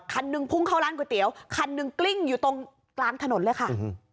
คันหนึ่งพุ่งเข้าร้านก๋วยเตี๋ยวคันหนึ่งกลิ้งอยู่ตรงกลางถนนเลยค่ะ